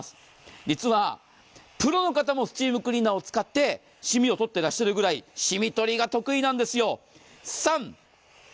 実は、プロの方もスチームクリーナーを使って染みを取っていらっしゃるくらい染み取りが得意なんですよ。